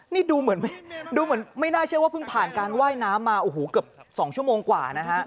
นี่ดูเหมือนไม่น่าเชื่อว่าเพิ่งผ่านการไหว้น้ำมาเอาหูเกือบ๒ชั่วโมงกว่านะครับ